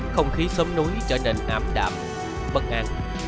không khí xóm núi trở nên ám đạm bất an